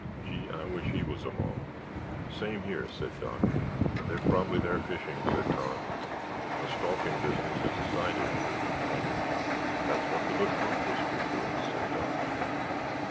Gee, I wish he was along!" "Same here," said Doc. "They're probably there fishing," said Tom. "The stalking business is a side issue, most likely." "That's what the little brook whispers to us," said Doc.